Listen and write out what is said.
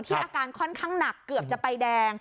อาการค่อนข้างหนักเกือบจะไปแดง